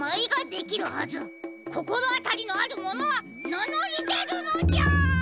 こころあたりのあるものはなのりでるのじゃ！